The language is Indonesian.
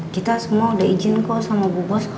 kita semua udah izin kok sama bu bos